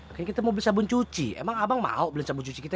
akhirnya kita mau beli sabun cuci emang abang mau belum sabu cuci kita